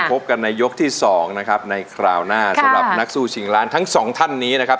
พบกันในยกที่สองนะครับในคราวหน้าสำหรับนักสู้ชิงล้านทั้งสองท่านนี้นะครับ